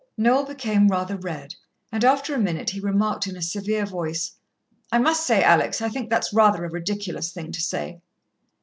Noel became rather red, and after a minute he remarked in a severe voice: "I must say, Alex, I think that's rather a ridiculous thing to say."